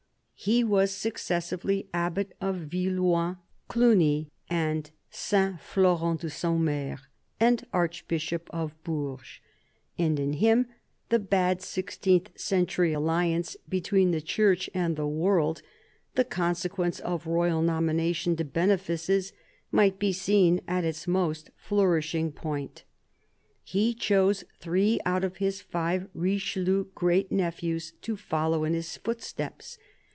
He was successively Abbot of Villeloing, Cluny, and St. Florent de Saumur, and Archbishop of Bourges, and in him the bad sixteenth century alliance between the Church and the world, the consequence of royal nomination to benefices, might be seen at its most flourishing point. He chose three out of his five Richelieu great nephews to follow in his footsteps.